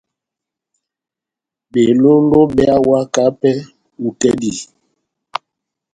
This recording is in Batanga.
Belóló beháwaka pɛhɛ hú tɛ́h dí.